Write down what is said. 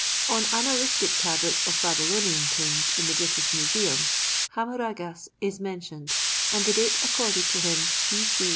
On annalistic tablets of Babylonian kings in the British Museum, Khammuragas is mentioned and the date accorded to him B. C.